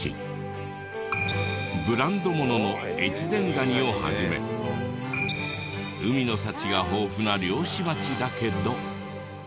ブランド物のエチゼンガニを始め海の幸が豊富な漁師町だけど。